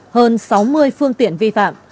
hơn sáu mươi phương tiện vi phạm